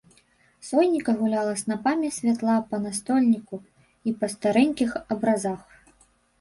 Сонейка гуляла снапамі святла па настольніку і па старэнькіх абразах.